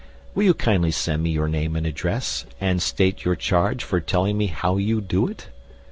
Will you kindly send me your name and address, and state your charge for telling me how you do it?